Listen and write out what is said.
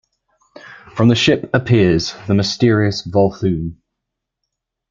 From the ship, appears the mysterious Volthoom.